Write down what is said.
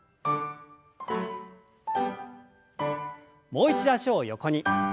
もう一度脚を横に。